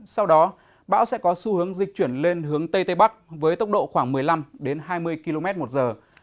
sau đó bão sẽ có xu hướng dịch chuyển lên hướng tây tây bắc với tốc độ khoảng một mươi năm hai mươi km một giờ